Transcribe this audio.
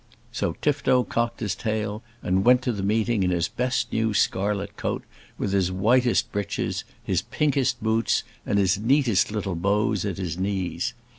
So Tifto cocked his tail and went to the meeting in his best new scarlet coat, with his whitest breeches, his pinkest boots, and his neatest little bows at his knees.